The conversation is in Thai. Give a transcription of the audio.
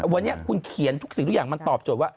วันนี้คุณเขียนทุกสิ่งทุกอย่างมันตอบโจทย์ว่า